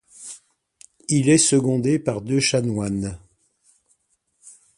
Il est secondé par deux chanoines.